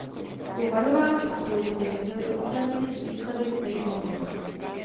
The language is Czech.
Po varování od policie byly odstraněny z výstavy v Tate Modern.